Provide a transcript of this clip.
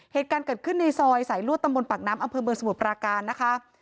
เหตุการณ์เกิดขึ้นในซอยสายลวดตำบลปากน้ำอำเภอเมืองสมุทรปราการนะคะ